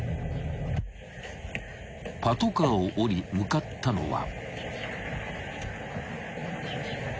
［パトカーを降り向かったのは］